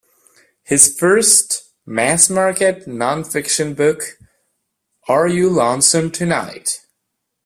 His first mass market, non-fiction book, Are You Lonesome Tonight?